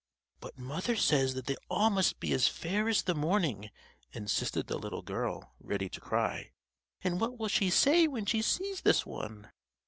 ] "But mother says that they all must be as fair as the morning," insisted the little girl, eady to cry. "And what will she say when she sees this one?"